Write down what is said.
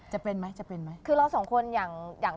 จะเป็นไหมคือเราสองคนอย่าง